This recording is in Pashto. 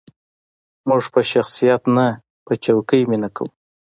موږ په شخصیت نه، په څوکې مینه کوو.